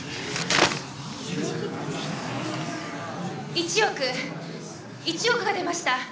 １億１億が出ました。